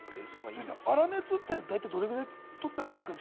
粗熱ってどれぐらい取ったらいいんですか？